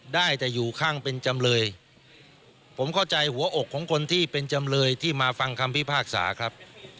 ได้แต่อยู่ข้างเป็นจำเลยผมเข้าใจหัวอกของคนที่เป็นจำเลยที่มาฟังคำพิพากษาครับ